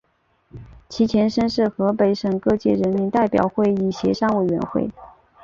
其前身是河北省各界人民代表会议协商委员会。